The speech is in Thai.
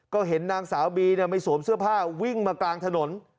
ก็เห็นนางสาวบีไม่สวมเสื้อผ้าวิ่งมากลางถนน